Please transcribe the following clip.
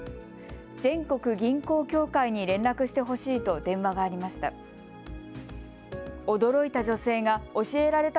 全国銀行協会に連絡してほしいと電話がありました。